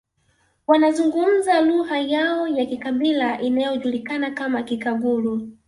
Wanazungumza lugha yao ya kikabila inayojulikana kama Kikagulu